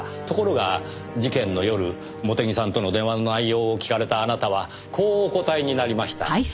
ところが事件の夜茂手木さんとの電話の内容を聞かれたあなたはこうお答えになりました。